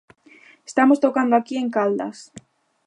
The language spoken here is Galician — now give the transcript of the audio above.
_Estamos tocando aquí en Caldas...